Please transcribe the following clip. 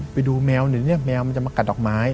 ไปดูแมวหนึ่งเนี่ยแมวมันจะมากัดดอกไม้